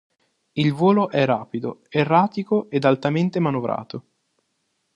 Il volo è rapido, erratico ed altamente manovrato.